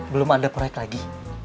belum ada proyek lagi